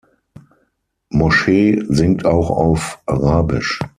Moshe singt auch auf Arabisch.